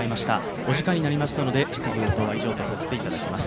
お時間になりましたので、質疑応答は以上とさせていただきます。